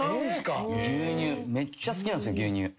めっちゃ好きなんすよ牛乳。